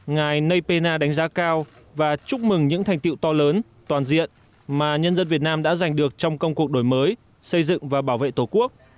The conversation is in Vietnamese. ngài nay pena đánh giá cao và chúc mừng những thành tiệu to lớn toàn diện mà nhân dân việt nam đã giành được trong công cuộc đổi mới xây dựng và bảo vệ tổ quốc